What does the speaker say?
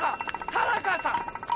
田中さん！